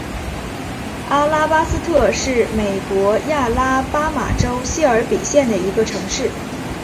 阿拉巴斯特是美国亚拉巴马州谢尔比县的一个城市。